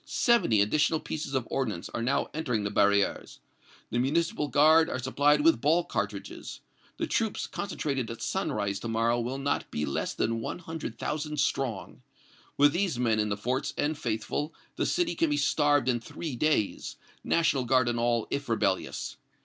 Seventy additional pieces of ordnance are now entering the barrières. The Municipal Guard are supplied with ball cartridges. The troops concentrated at sunrise to morrow will not be less than one hundred thousand strong. With these men in the forts and faithful, the city can be starved in three days, National Guard and all, if rebellious.